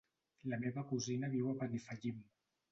La meva cosina viu a Benifallim.